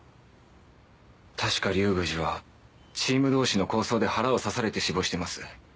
確か龍宮寺はチーム同士の抗争で腹を刺されて死亡してます。